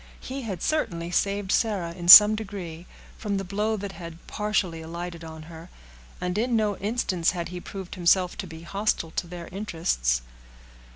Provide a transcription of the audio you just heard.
He had certainly saved Sarah in some degree, from the blow that had partially alighted on her, and in no instance had he proved himself to be hostile to their interests.